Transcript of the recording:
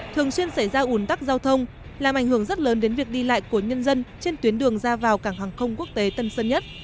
thường xuyên xảy ra ủn tắc giao thông làm ảnh hưởng rất lớn đến việc đi lại của nhân dân trên tuyến đường ra vào cảng hàng không quốc tế tân sơn nhất